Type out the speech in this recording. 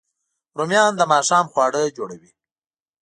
رومیان د ماښام خواړه جوړوي